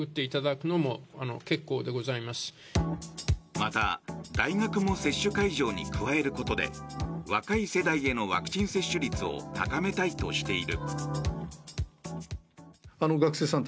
また、大学も接種会場に加えることで若い世代へのワクチン接種率を高めたいとしている。